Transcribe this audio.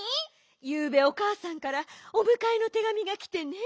ゆうべおかあさんからおむかえのてがみがきてね。